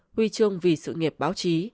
huy chương vì sự nghiệp báo chí